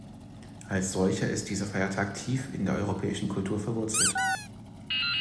Als solcher ist dieser Feiertag tief in der europäischen Kultur verwurzelt.